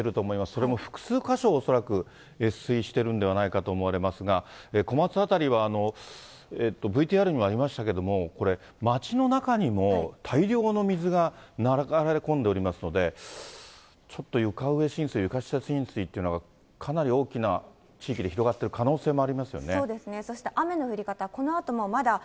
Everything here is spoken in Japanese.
それも複数か所、恐らく越水してるんではないかと思われますが、小松辺りは、ＶＴＲにもありましたけども、これ、町の中にも大量の水が流れ込んでおりますので、ちょっと床上浸水、床下浸水っていうのが、かなり大きな地域で広がっている可能性もありますよね。